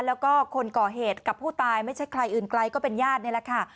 แล้วก็คนก่อเหตุกับผู้ตายไม่ใช่ใครอื่นไกลก็เป็นญาตินี่แหละค่ะ